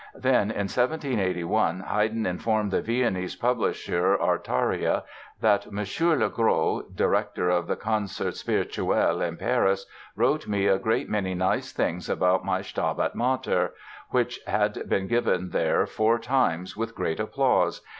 Then, in 1781, Haydn informed the Viennese publisher, Artaria, that "Monsieur Le Gros, director of the Concerts Spirituels in Paris, wrote me a great many nice things about my 'Stabat Mater' which had been given there four times with great applause....